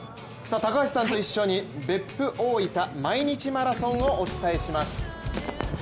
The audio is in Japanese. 高橋さんと一緒に別府大分毎日マラソンをお伝えします。